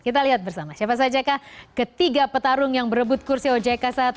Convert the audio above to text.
kita lihat bersama siapa saja kah ketiga petarung yang berebut kursi ojk satu